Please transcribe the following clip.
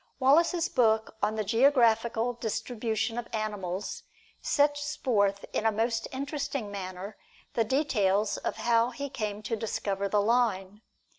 Wallace's book on "The Geographical Distribution of Animals" sets forth in a most interesting manner, the details of how he came to discover the Line.